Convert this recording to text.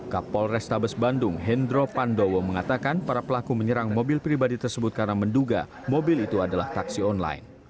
kapol restabes bandung hendro pandowo mengatakan para pelaku menyerang mobil pribadi tersebut karena menduga mobil itu adalah taksi online